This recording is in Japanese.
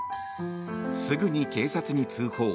すぐに警察に通報。